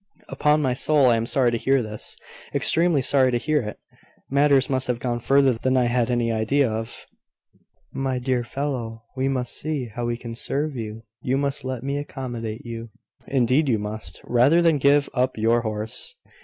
"Upon my soul, I am sorry to hear this extremely sorry to hear it. Matters must have gone further than I had any idea of. My dear fellow, we must see how we can serve you. You must let me accommodate you indeed you must rather than give up your horse."